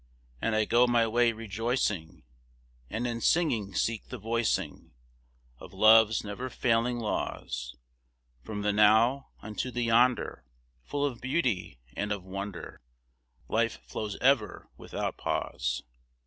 And I go my way rejoicing, And in singing seek the voicing Of love's never failing laws. From the now, unto the Yonder, Full of beauty and of wonder, Life flows ever without pause.